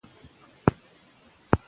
علم به ټولنه بدله کړې وي.